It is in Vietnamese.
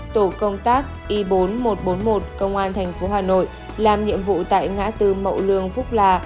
tổ công tác y bốn nghìn một trăm bốn mươi một công an thành phố hà nội làm nhiệm vụ tại ngã tư mậu lương phúc la